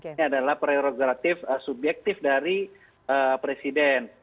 ini adalah prerogatif subjektif dari presiden